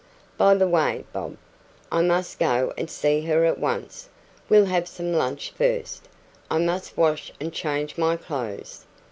By the way, Bob, I must go and see her at once. We'll have some lunch first; I must wash and change my clothes.